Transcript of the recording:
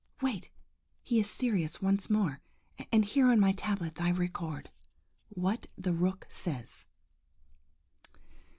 Wait! he is serious once more, and here on my tablets I record, WHAT THE ROOK SAYS.